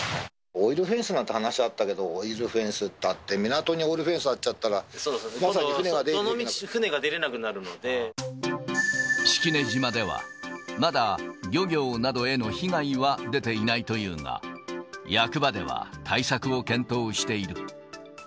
オイルフェンスなんて話あったけど、オイルフェンスったって、港にオイルフェンス張っちゃったどのみち船が出れなくなるの式根島では、まだ漁業などへの被害は出ていないというが、役場では対策を検討している。